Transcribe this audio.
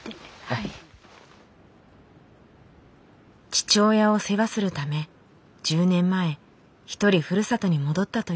父親を世話するため１０年前一人ふるさとに戻ったという女性。